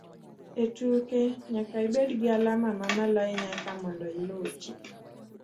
E tuke, nyaka ibed gi alama mamalo ahinya eka mondo ilochi